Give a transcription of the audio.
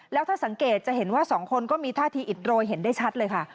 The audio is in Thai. แล้วถ้าสังเกตจะเห็นว่าสองคนก็มีท่าทีอิดโรยเห็นได้ชัดเลยค่ะ